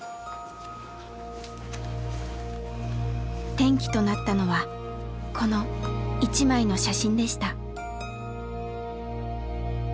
転機となったのはこの一枚の写真でした。